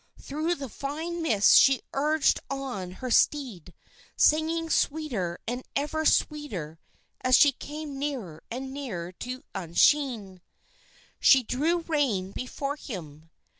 Through the fine mist she urged on her steed, singing sweeter and ever sweeter as she came nearer and nearer to Usheen. She drew rein before him.